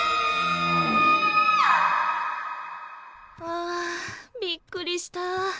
あびっくりした。